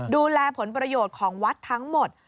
ดูแลผลประโยชน์ของวัดทั้งหมด